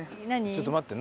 ちょっと待って。